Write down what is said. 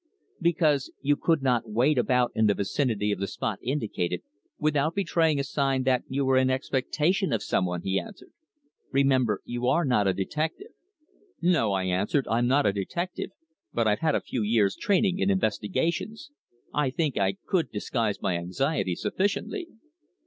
"Because you could not wait about in the vicinity of the spot indicated without betraying a sign that you were in expectation of some one," he answered. "Remember, you are not a detective." "No," I answered, "I'm not a detective, but I've had a few years' training in investigations. I think I could disguise my anxiety sufficiently."